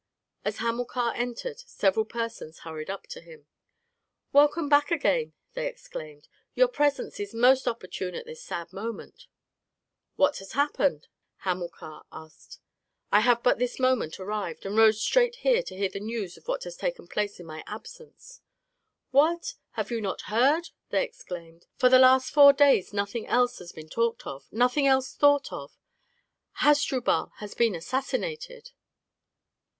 As Hamilcar entered, several persons hurried up to him. "Welcome back again!" they exclaimed; "your presence is most opportune at this sad moment." "What has happened?" Hamilcar asked; "I have but this moment arrived, and rode straight here to hear the news of what has taken place in my absence." "What! have you not heard?" they exclaimed; "for the last four days nothing else has been talked of, nothing else thought of Hasdrubal has been assassinated!"